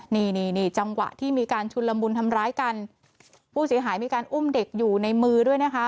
นี่นี่นี่จังหวะที่มีการชุนละมุนทำร้ายกันผู้เสียหายมีการอุ้มเด็กอยู่ในมือด้วยนะคะ